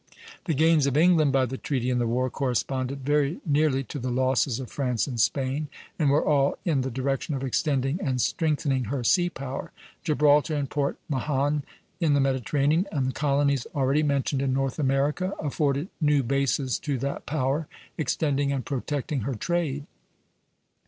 The gains of England, by the treaty and the war, corresponded very nearly to the losses of France and Spain, and were all in the direction of extending and strengthening her sea power. Gibraltar and Port Mahon in the Mediterranean, and the colonies already mentioned in North America, afforded new bases to that power, extending and protecting her trade.